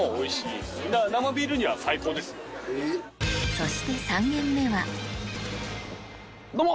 そして３軒目はどうも！